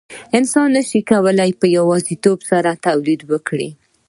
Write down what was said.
انسان نشي کولای په یوازیتوب سره تولید وکړي.